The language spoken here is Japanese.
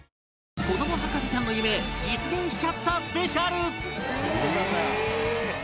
子供博士ちゃんの夢実現しちゃったスペシャル